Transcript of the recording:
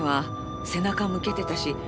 背中を向けてたし。